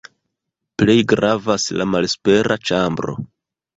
Plej gravas la malsupera ĉambro.